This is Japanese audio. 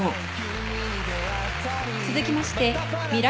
続きまして未来